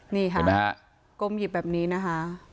นี่ค่ะกลมหยิบแบบนี้นะฮะ